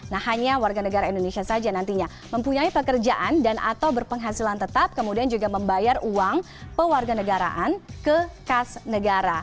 nah hanya warganegara indonesia saja nantinya mempunyai pekerjaan dan atau berpenghasilan tetap kemudian juga membayar uang pewarganegaraan kekas negara